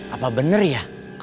apa bener ya